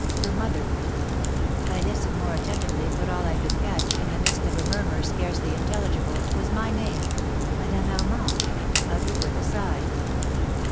Her mother!' I listened more attentively, but all I could catch, in the midst of a murmur scarcely intelligible, was my name, 'Madame Armand,' uttered with a sigh."